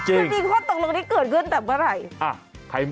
ความจริงข้อตรงตรงนี้เกิดเกิดตั้งแต่เมื่อไหร่